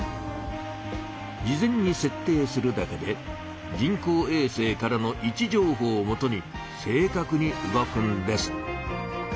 事前にせっ定するだけで人工えい星からの位置情報をもとに正かくに動くんです。